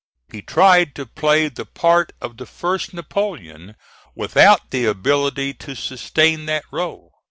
He tried to play the part of the first Napoleon, without the ability to sustain that role.